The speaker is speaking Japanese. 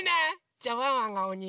じゃあワンワンがおに！